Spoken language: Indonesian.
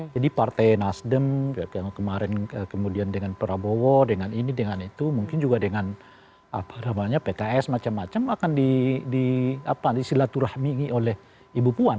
jadi partai nasdem kemarin kemudian dengan prabowo dengan ini dengan itu mungkin juga dengan apa namanya pts macam macam akan di silaturahmi ini oleh ibu puan